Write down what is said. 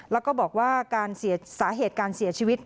แล้วก็บอกว่าการเสียสาเหตุการเสียชีวิต